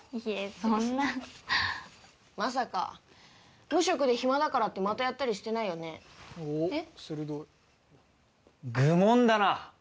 そんなまさか無職で暇だからってまたやったりしてないよねえっ？